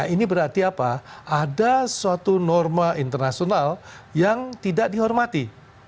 ini berarti apa ada suatu norma internasional yang tidak dihormati